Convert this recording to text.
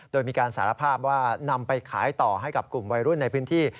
โดยมีการสารภาพว่านำไปขายต่อให้กับกลุ่มวัยรุ่นในพื้นที่